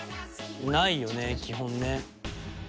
ないよね基本ね。